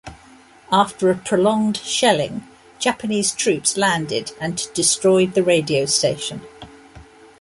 After a prolonged shelling, Japanese troops landed and destroyed the radio station.